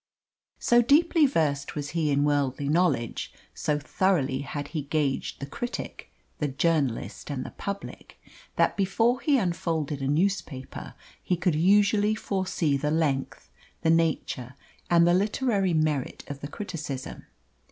So deeply versed was he in worldly knowledge, so thoroughly had he gauged the critic, the journalist, and the public, that before he unfolded a newspaper he could usually foresee the length, the nature, and the literary merit of the criticism.